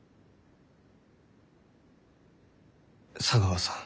茶川さん。